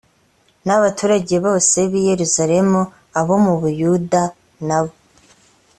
n abaturage bose b i yerusalemu abo mu buyuda n abo